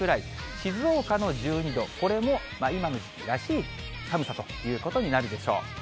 静岡の１２度、これも今の時期らしい寒さということになるでしょう。